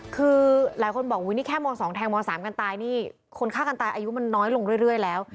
คือหลายคนบอกอุ๊ยนี่แค่ม๒แทงม๓กันตายนี่คนฆ่ากันตายอายุมันน้อยลงเรื่อยแล้ว